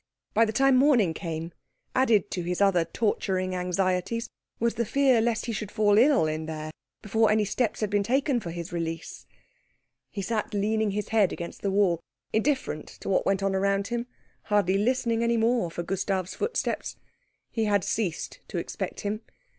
By the time morning came, added to his other torturing anxieties, was the fear lest he should fall ill in there before any steps had been taken for his release. He sat leaning his head against the wall, indifferent to what went on around him, hardly listening any more for Gustav's footsteps. He had ceased to expect him.